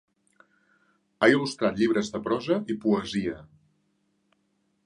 Ha il·lustrat llibres de prosa i poesia.